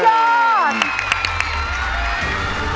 สุดยอด